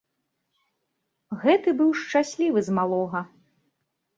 Гэты быў шчаслівы з малога.